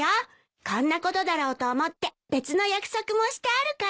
こんなことだろうと思って別の約束もしてあるから。